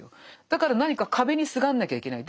だから何か壁にすがんなきゃいけない。